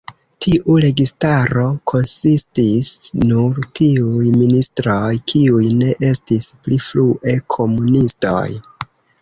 Tiu registaro konsistis nur tiuj ministroj, kiuj ne estis pli frue komunistoj.